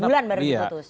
tujuh bulan baru diputus